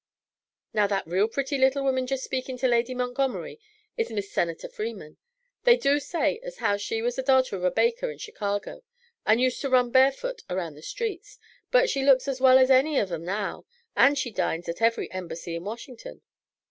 Now that real pretty little woman jest speakin' to Lady Montgomery is Mis' Senator Freeman. They do say as how she was the darter of a baker in Chicago and used to run barefoot around the streets, but she looks as well as any of 'em now and she dines at every Embassy in Washington.